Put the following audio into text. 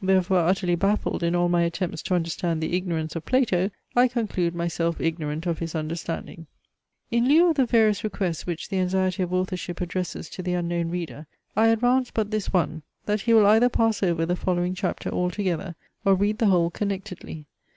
Therefore, utterly baffled in all my attempts to understand the ignorance of Plato, I conclude myself ignorant of his understanding. In lieu of the various requests which the anxiety of authorship addresses to the unknown reader, I advance but this one; that he will either pass over the following chapter altogether, or read the whole connectedly.